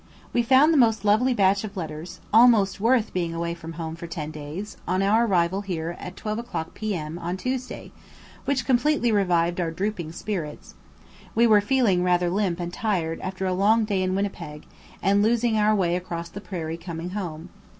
We found the most lovely batch of letters, almost worth being away from home for ten days, on our arrival here at 12 o'clock P.M. on Tuesday, which completely revived our drooping spirits; we were feeling rather limp and tired after a long day in Winnipeg, and losing our way across the prairie coming home.